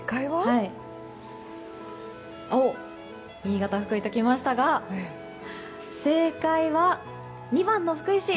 新潟、福井ときましたが正解は２番の福井市。